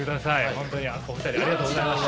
本当にお二人ありがとうございました。